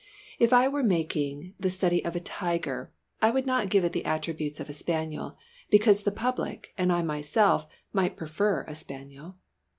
If I were making the study of a Tiger, I would not give it the attributes of a spaniel, because the public, and I myself, might prefer a spaniel!